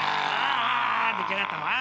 あ出来上がった。